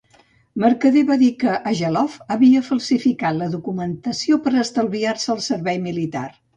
Mercader va dir que Ageloff havia falsificat la documentació per estalviar-se el servei militar.